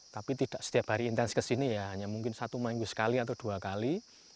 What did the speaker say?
tapi tidak setiap hari intens kesini ya hanya mungkin satu minggu sekali atau dua kali